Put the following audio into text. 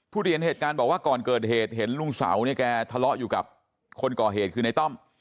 ที่เห็นเหตุการณ์บอกว่าก่อนเกิดเหตุเห็นลุงเสาเนี่ยแกทะเลาะอยู่กับคนก่อเหตุคือในต้อม